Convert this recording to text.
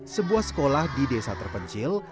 sebuah sekolah di desa terpencil